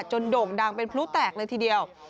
โด่งดังเป็นพลุแตกเลยทีเดียว